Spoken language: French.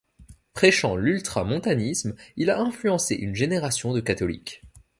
Prêchant l'ultramontanisme, il a influencé une génération de catholiques.